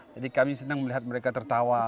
jadi kami senang melihat mereka tertawa